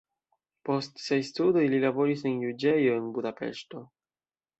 Post siaj studoj li laboris en juĝejo en Budapeŝto.